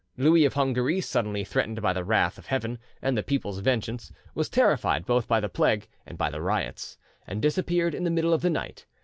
Louis of Hungary, suddenly threatened by the wrath of Heaven and the people's vengeance, was terrified both by the plague and by the riots, and disappeared in the middle of the night.